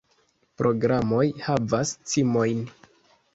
Programoj havas cimojn!